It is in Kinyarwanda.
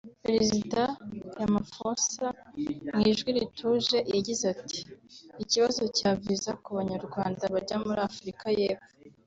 Perezida Ramaphosa mu ijwi rituje yagize ati “Ikibazo cya viza ku Banyarwanda bajya muri Afurika y’Epfo